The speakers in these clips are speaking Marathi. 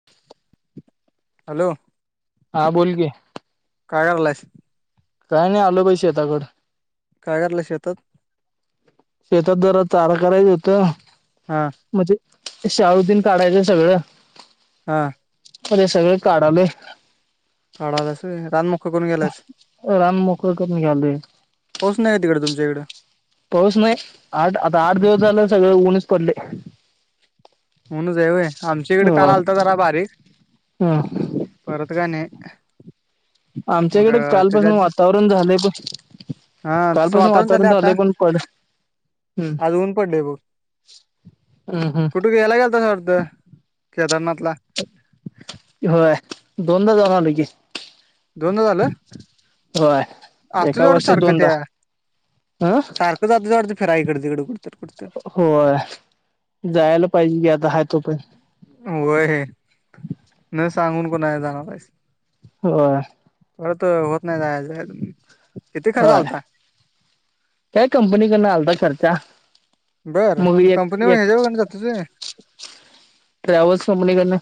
[inaudible] हॅलो. हा बोल की. काय करालायस? काय नाय आलो बग शेताकड. काय करालास शेतात? शेतात जरा चारा करायच होत. हा. म्हणजे शाळूतीन काढायचं सगळं. हा. उद्या सगळ काढालोय. काढालास होय रान मो राम मोकळ करून घ्यालोय. पाऊस नाही का तिकडे तुमच्या इकडं पाऊस नाय आठ आता आठ दिवस झालं सगळं ऊणच पडलय. ऊनच हाय व्हय आमच्याहिकड काल होय आलता जरा बारीक हम्म परत काय नाय. आमच्याहिकड कालपसन आधी वातावरण झालंय पण हा तसं कालपासन वातावरण आता झालंय पण पड हम्म आज ऊन पडलय बघ. हम्म कुठ हम्म ह्याला गेलतास वाटत? केदारनाथला? हो दोनदा जाऊन आलोय की. दोनदा झालं होय असतु एका तेवढं वर्षात सारखं दोनदा त्या हं सारखं जातस वाटतय फिराय ईकड -तिकड कुडतर कुडतर? होय जायला पाहिजे की आता हाय तोपर्यंत. व्हय न सांगून कूणाला जाणार हायस. होय. परत होत नाय जायाच. होय काय कंपनीकडन आलता खर्चा. मग बरं एक कंपनी म एक ह्याज्याकडनं जातोस व्हय ट्रॅव्हल्स कंपनीकडनं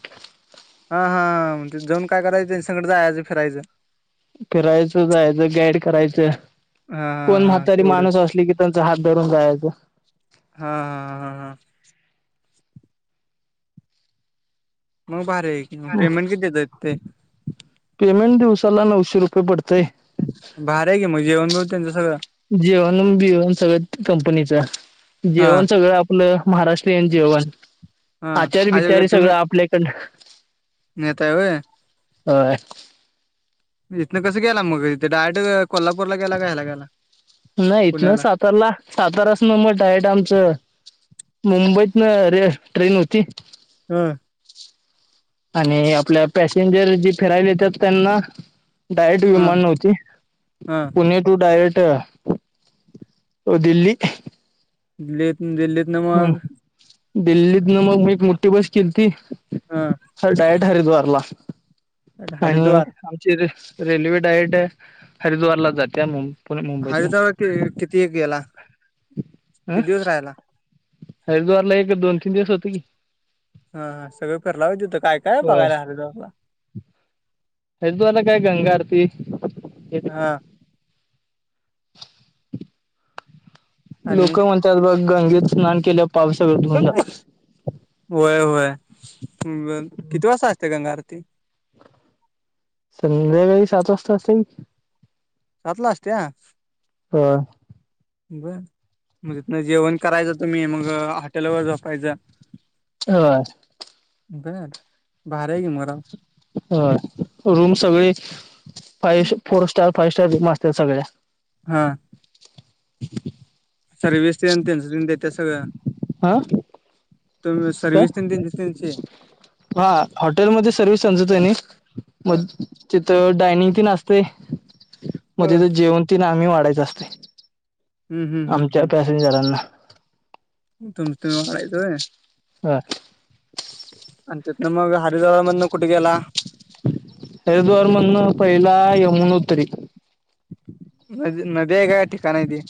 हा हा म ते जाऊन काय करायचं त्यांच्याकडे जायचं फिरायचं. फिरायचं जायचं गाईड करायचं. हा हा कोण हा म्हातारी माणूस तेवढंच असली की त्यांचा हात धरून जायचं. हा हा हा हां. मग भारी आहे. की मग हम्म पेमेंट किती देतात ते पेमेंट दिवसाला नऊशे रुपये पडतय. भारी आहे की मग जेवण बिवण त्यांच सगळं? जेवण बिवन सगळेत कंपनीचा हा जेवण सगळं आ आपलं महाराष्ट्रीयन जेवण हा आचारी बिचारी सगळं आपल्या इकडनं. नेहताय होय. होय. इथनं कसं गेला मग इथे डायरेक्ट कोल्हापूरला गेला का हेला गेला? नाही इथनं पुण्याला साताराला सातारासना म डायरेक्ट आमचं मुंबईतनं रे ट्रेन होती. हां. आणि आपल्या पॅसेंजर जी फिरायला येतात त्यांना डायरेक्ट ह विमान नव्हती, हा पुणे टू डयरेक्ट दिल्ली. लेत दिल्लीत मग हम्म दिल्लीतनं मग मी एक मोठी बस केलती हा. चल डायरेक्ट हरिद्वारला आणि हरिद्वार चे रे रेल्वे डायरेक्ट आहे हरिद्वारला जाते मूम हरिद्वारला की किती एक गेला अ किती दिवस राहायला? हरिद्वारला एक दोन तीन दिवस होतो की. हा हा सगळं फिरला होय तिथं काय काय होय बघयला हरिद्वारला. हरीद्वारला काय गंगा आरती. हा. आणि लोकं म्हणत्यात बघ गंगेत स्नान केल्यावर पाप सगळं धू होय होय [unintelligible] किती वाजता असते गंगाआरती? संध्याकाळी सात वाजता असते की. सातला असत्या? होय. बर म तिथनं जेवण करायचं तुम्ही मग हॉटेलवर झोपायचं. होय. बरं भारी आहे की म राव. होय रूम सगळे फाय स four star, five star room असत्या सगळ्या. हा. सर्व्हिस तेन त्याचं त्यांनी देत्यात सगळं. हा तुम्ही काय सर्व्हिस तेन त्यांची त्यांची? हा हॉटेलमध्ये सर्व्हिस त्यांचं त्यांनी हा मग तिथं डायनिंग तेन असतय. मग तिथं हम्म जेवण तेन आम्ही वाढायच असतय हम्म हम्म आमच्या हम्म पॅसेंजरांना तुमच तुम्हीच वाढायच होय होय आणि तिथन मग हरिद्वार मधनं कुठ गेला हरिद्वार मधनं पहिला यमुनोत्री मग नदी आहे का ठिकाणा आहेे ते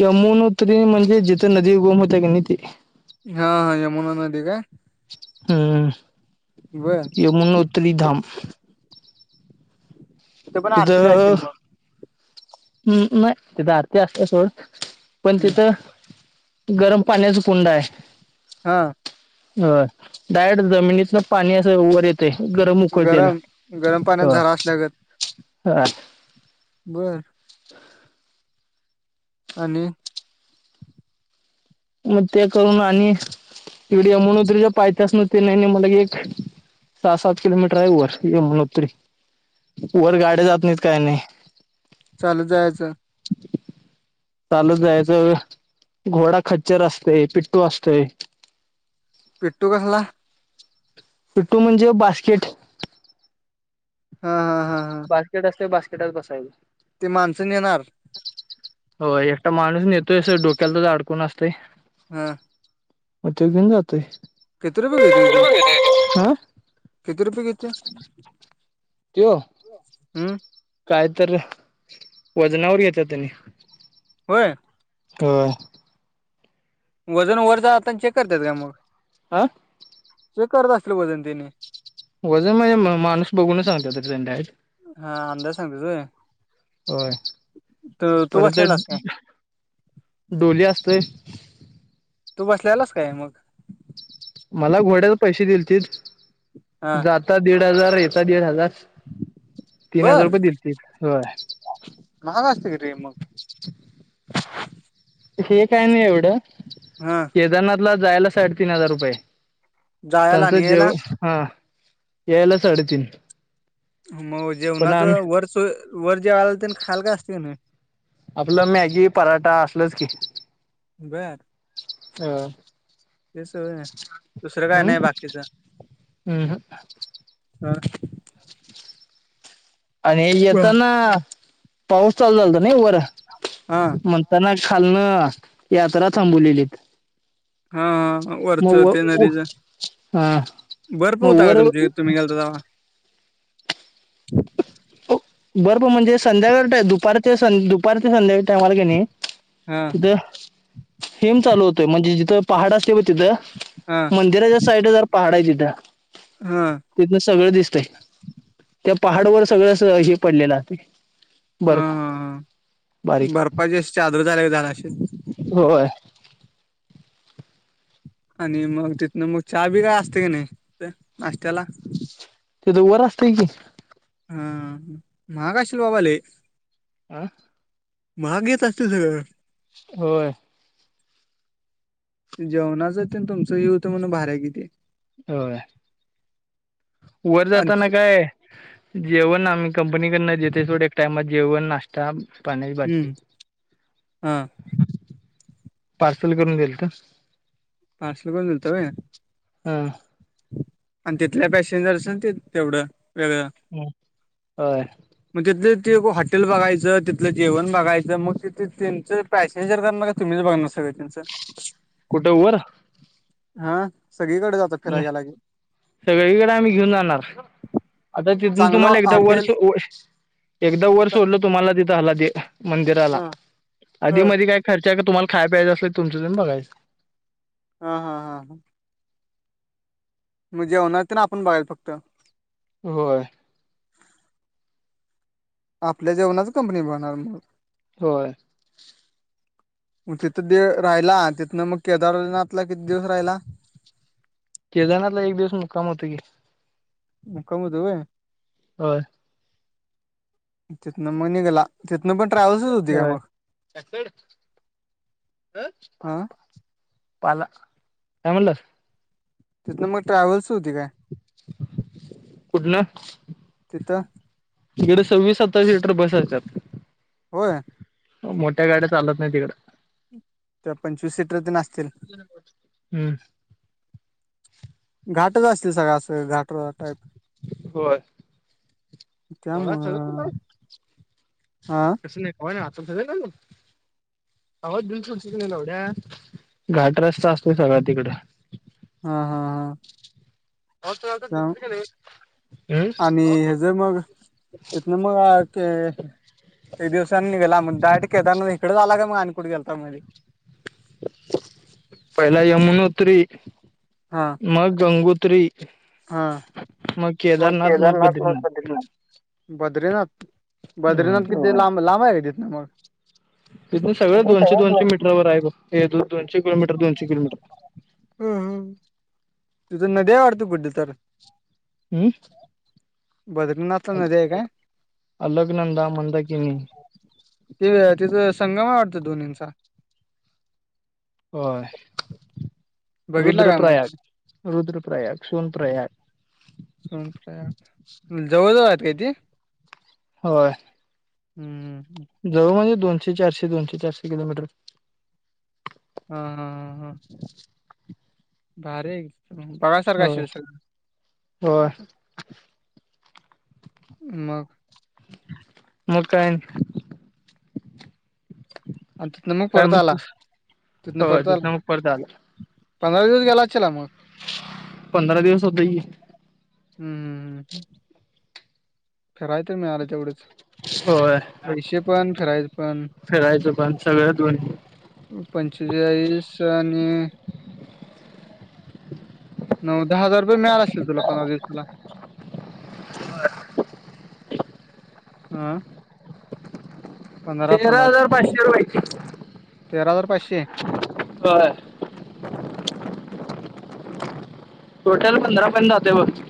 यमुनोत्री म्हणजे जिथ नदी उगम होते की नाही ते हा हा यमुना नदी काय हम्म बर यमुनोत्री धाम तिथं पण आरतीच असशील तिथं मं नाय तिथं आरती असत्या सोड पण मग तिथं गरम पाण्याचा कुंड आहे. हा होय डारेक्ट जमिनीतन पाणी असं वर येत ते गरम उकळत्याल, होय लगत हा बरं आणि मग ते करून आणि एवढी यमुनोत्रीच्या पायथेसनी ते नाय नाय मणलं की एक सहा सात किलोमीटर आहे वर यमुनोत्री वर गाड्या जात नाहीत काय नाही चालतं जायचं चालत जायचं अ घोडा खच्चर असतेय पिट्टू असतेय पिट्टु कसला पिट्टू म्हणजे बास्केट हा हा हा बास्केट असते बास्केटात बसायच ते माणसं नेणार होय एकटा माणूस नेतोय अस डोक्याला तर अडकून असतय हां मग तेव घेऊन जातय किती रुपय घेतऊ त्यो हं किती रुपये घेतुय? त्यो मं काय तर वजनावर घेत्यात त्यांनी होय होय वजून वर जाताना चेक करतात का मग? अं चेक करत असतील वजन तेने वजन म्हणजे माणूस बघून सांगतेत त्यांनी डायरेक्ट हा अंदाज सांगतेस होय होय, तू तू परत बसलेलास काय डोली असतंय. तू बसलेलास काय मग? मला घोड्या ला पैशे दिलते, हा जाता दीड हजार, येता दीड हजार. तीन हजार बर रुपये दिलते, होय. महाग असती का ट्रेन मग? हे काय नाई एवढं हा. केदारनाथला जायला साडेतीन हजार रुपये, जायला त्यांचं आणि जेव यायला हा, यायला साडे तीन. मग जेवणाचं, वरचं वर जेवायला तेन खायला काय असतं का नई? आपलं मॅगी पराठा असलंच की बर. ह. ते सगळं नाय, दुसरं काय हम्म नाय बाकीचं, हम्म हं. आणि येताना, पाऊस चालू झाल्ता नई वर? हा. म्हणताना खालनं, यात्रा थांबवलेली. हा. वरचं ते व नदीचं, हा बर्फ मग होता का वर तुमच्या हितं, तुम्ही गेलता तव्हा? हो, बर्फ म्हणजे संध्याकाळ टा, दुपार ते दुपार ते संध्याकाळच्या टायमाला का नई हा तिथं हिम चालू होतंय, म्हणजे जिथं पहाड असतं बग तिथं हा. मंदिराच्या साईड जरा पहाड हे तिथं. हं. तिथनं सगळं दिसतंय, त्या पहाडवर सगळं सगळं हिम पडलेलं [unintelligible] हा ह, बारीक बरपाची अशी चादर झाल्यागत झालं असेल. होय. आणि मग तिथनं, मग चहा बी काय असतं की नाई, कुठं नाष्ट्याला? तिथं वर असतंय की. हा, माहाग असशील बाबा लै! आं? महागच असतं सगळं. होय. जेवणाचं, तेण तुमचं [unintelligible] म्हणून भाडं कितीए? होय. वर जाताना आमचं काय, जेवण आम्ही कंपनीने [unintelligible] देते सोड, एक टाइमाचं जेवण नाष्टा. [unintelligible] पाण्याची हम्म बाटली. हा. पार्सल करून दिलतं. पारसल करून दिलतं व्हयं? हं. अन तिथल्या पॅसेंजरचं तेन तेवढं, वेगळं होय. मग तिथलं ते हॉटेल बघायचं, तिथलं जेवण बघायचं मग तिथे त्यांचं पॅसेंजर करणार का, तुम्हीच बघणार सगळे? कुठं वर हा, सगळीकडे जाता फिराय गेला की सगळींकडे आम्हीं घेऊंन जाणारं आंता तिथूंन चांगलं तुम्हांला एकदाचं हॉटेल वर्ष एकदां वरं सोडलं तुम्हांला तिथं हलां मंदिराला हा हा आंधी मधीं कायं खर्च आहे कां तुम्हांला खायचं प्यायचंअसलं तुमचं तुम्हीं बघायचं हं हां हां हां मंग जेवणांच नां आपणं बघायचं फक्तं होयं आपल्या जेवणांच कंपनी बनणारं मंग होयं मंग तिथं दे राहिला तिथनं मंग केदारनांथला किती दिवसं राहिला केदनांथला एक दिवसं मुक्कांम होतं की मुं कामं होतं होयं हो तिथंन मंग निघलां तिथंन पणं ट्रॅव्हल्सच होती कायं होय मंग हं पालां कायं म्हणालांस तिथंन मंग ट्रॅव्हल्स होती कां कुंठ लां तिथं इकडे सव्वीस सत्तावीस लिटर बसायच्यांत होयं मोठ्या गाड्यां चालतं नाहीं तिकडं तरं पंचवीस सीटर ते नं असतील हम्मं घाटचं असतंय सगळं असं घांट प्लॉट आहेतं होय त्यांमुळे हां सं नाहीं कायं आंतरय नां आवांज बिलकुल तिकडे लवढ्यां घांट रस्तां असतोय सगळ्यां तिकडं हां हां अं हम्म आणि हेजं मंग इथनं मंग ब ते लई दिवसांनी निघलां मंग डायरेक्ट केदारनां इकडचं आंला कायं आणि कुठं गेलंता मधी पहिलां यमुंनुत्री हां मंग गंगोत्री हां मग मंग केदारनाथ मग केदारनांथ लां बद्रीनाथ सांगितले बद्रीनाथ होय बद्रीनाथ तिथनं लांब लांब आहे कायं तीथनं मंग तिथूंन सगंळ दोनशे दोनशेमीटरंवर आहे बघं हे दोनशे किलोमीटर दोनशे किलोमीटर हम्मं हमं तिथं नद्यां वाढतो कुठं तरं हम्मं बद्रीनांथ अ अलंक नंदा मंदा किनी तेचं संगम आहे वाटतं दोन्ही चां होयं बघितला काय मग? रुद्रप्रयांग रुद्रप्रयांग क्षुनप्रयांग तुमच्या जवळ जवळ आहेत का ते होय हम्म हम् जवळ म्हणजे दोनशे चारशे दोनशे चारशे किलोमीटर हा हा ह हा भारी बघायसारख होय असेल सगळ होय मग मग काय आणि तिथन मग काय परत आला म्हणतोस तिथनं होय परत आला मग परत आला पंधरा दिवस गेला असचीला मग पंधरा दिवस होतो की हम् हम फिराय ते मिळाल तेवढच होय पैशे पण फिराय पण फिरायचं पण सगळं दोन्ही पंचेचाळीस आणि नऊ दहा हजार रुपये मिळाल असतील तुला पंधरा दिवसाला हं तेरा हजार पाचशे रुपयाची तेरा हजार पाचशे होय टोटल पंधरा पर्यंत जाते बघ